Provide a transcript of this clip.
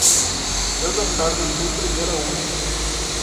Ana Carmem Dutra de Araújo